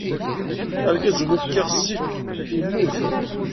Argaz umi fkiɣ ssif, yemmut.